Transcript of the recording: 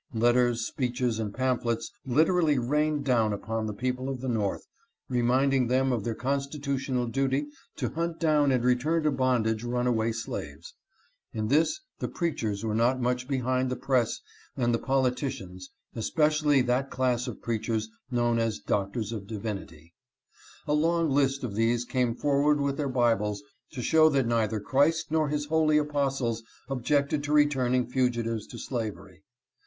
Letters, speeches, and pamphlets literally rained down upon the people of the North, reminding them of their constitutional duty to hunt down and return to bondage runaway slaves. In this the preachers were FUGITIVE SLAVE LAW. 347 not much behind the press and the politicians, especially that class of preachers known as Doctors of Divinity. A long list of these came forward with their Bibles to show that neither Christ nor his holy apostles objected to returning fugitives to slavery.